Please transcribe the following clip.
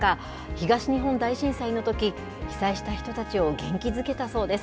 東日本大震災のとき、被災した人たちを元気づけたそうです。